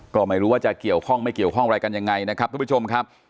ก็ไม่รู้ว่าจะเกี่ยวข้องไม่เกี่ยวข้องอะไรกันยังไงนะครับทุกผู้ชมครับ